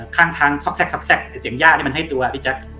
ข้างทางซอกเสียงย่าที่มันให้ตัวพี่แจ๊ค